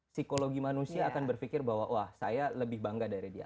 psikologi manusia akan berpikir bahwa wah saya lebih bangga dari dia